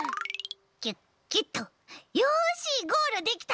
キュッキュッとよしゴールできた！